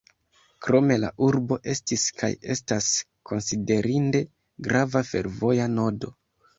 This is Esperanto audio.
Krome la urbo estis kaj estas konsiderinde grava fervoja nodo.